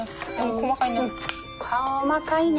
細かいね。